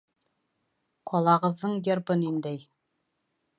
Ҡалағыҙҙың гербы ниндәй?